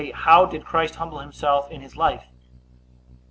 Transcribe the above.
How did Christ humble himself in his life?